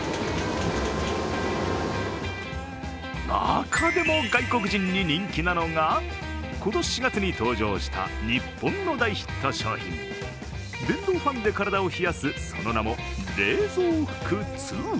中でも外国人に人気なのが、今年４月に登場した日本の大ヒット商品、電動ファンで体を冷やすその名も冷蔵服２。